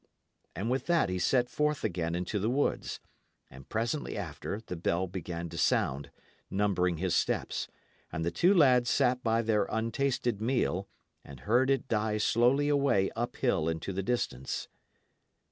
And with that he set forth again into the woods; and presently after the bell began to sound, numbering his steps, and the two lads sat by their untasted meal, and heard it die slowly away up hill into the distance.